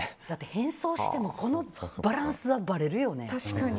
変装してもこのバランスはばれるよね。